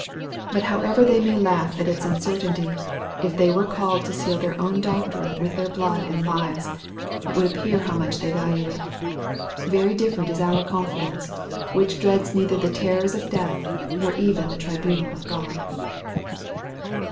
But however they may laugh at its uncertainty, if they were called to seal their own doctrine with their blood and lives, it would appear how much they value it. Very different is our confidence, which dreads neither the terrors of death, nor even the tribunal of God.